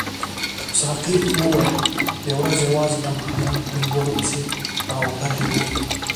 ساقي وویل یوه ورځ یوازې د ماهیانو په نیولو پسې راوتلی وم.